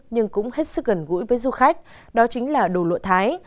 nhưng cũng hết sức gần gũi với du khách đó chính là đồ lụa thái